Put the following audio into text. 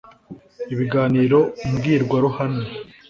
ibiganiro mbwirwaruhame